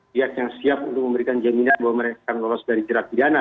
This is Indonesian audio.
pihak yang siap untuk memberikan jaminan bahwa mereka akan lolos dari jerat pidana